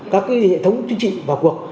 các hệ thống chính trị vào cuộc